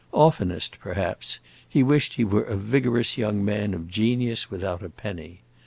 Oftenest, perhaps, he wished he were a vigorous young man of genius, without a penny.